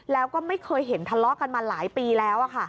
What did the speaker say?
แล้วก็ไม่เคยเห็นทะเลาะกันมาหลายปีแล้ว